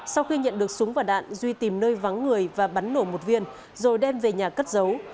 sau khi nhận được súng và đạn duy tìm nơi vắng người và bắn nổ một viên rồi đem về nhà cất giấu